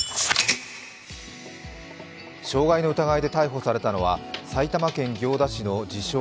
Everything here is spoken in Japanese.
障害の疑いで逮捕されたのは埼玉県行田市の自称